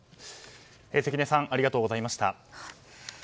関根さんありがとうございました。